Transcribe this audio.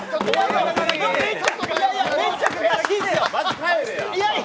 いやいや、めっちゃ悔しいですよ！